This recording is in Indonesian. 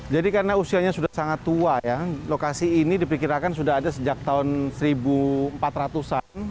jadi karena usianya sudah sangat tua lokasi ini diperkirakan sudah ada sejak tahun seribu empat ratus an